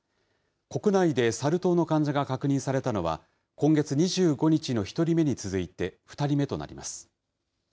国内でサル痘の患者が確認されたのは、今月２５日の１人目に続いて２人目となります。